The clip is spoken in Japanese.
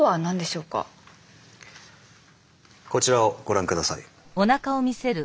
こちらをご覧下さい。